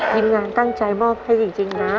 ทีมงานตั้งใจมอบให้จริงนะ